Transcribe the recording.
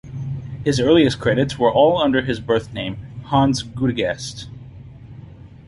His earliest credits were all under his birth name, Hans Gudegast.